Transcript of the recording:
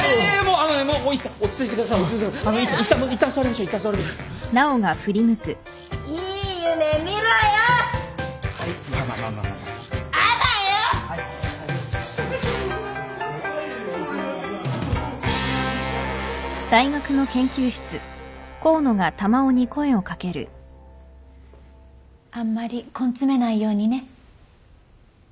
あんまり根詰めないようにね。